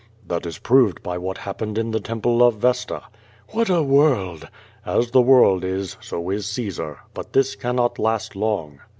"That is proved by what happened in the temple of Vesta.'' "AVhat a world!'' "As the world is, so is Caesar. But this cannot last long.''